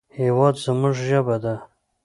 هېواد زموږ ژبه ده